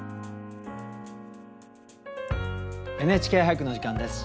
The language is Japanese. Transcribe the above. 「ＮＨＫ俳句」のお時間です。